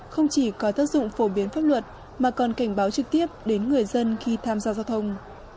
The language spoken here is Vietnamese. không chỉ có tác dụng phổ biến pháp luật mà còn cảnh báo trực tiếp đến người dân khi tham gia giao thông